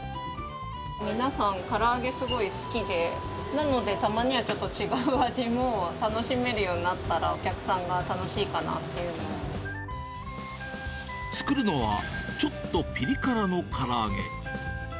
皆さん、から揚げすごい好きで、なので、たまにはちょっと違う味も楽しめるようになったら、お客さんが楽作るのは、ちょっとぴり辛のから揚げ。